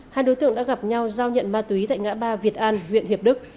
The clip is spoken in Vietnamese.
hai đối tượng đã gặp nhau giao nhận ma túy tại ngã ba việt an huyện hiệp đức